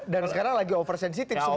dan sekarang lagi oversensitive semuanya